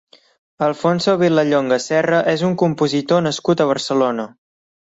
Alfonso Vilallonga Serra és un compositor nascut a Barcelona.